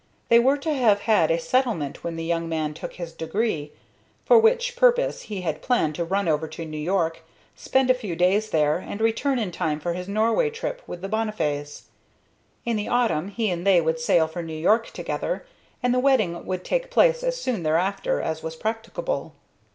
They were to have had a settlement when the young man took his degree, for which purpose he had planned to run over to New York, spend a few days there, and return in time for his Norway trip with the Bonnifays. In the autumn he and they would sail for New York together, and the wedding would take place as soon thereafter as was practicable.